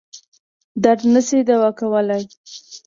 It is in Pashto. درد نه شي دوا کولای.